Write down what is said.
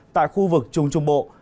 tại khu vực trung trung bộ